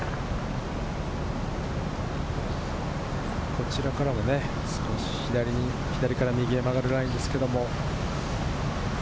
こちらから少し左から右へ曲がるラインですけれども。